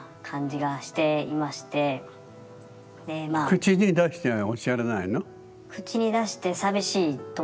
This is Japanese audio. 口に出しておっしゃらないの？